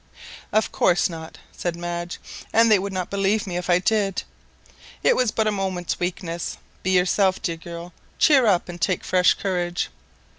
"Of course not," said Madge, "and they would not believe me if I did. It was but a moment's weakness. Be yourself, dear girl; cheer up, and take fresh courage."